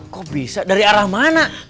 kemana tapi surnam manal